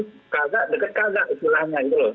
dekat dekat istilahnya gitu loh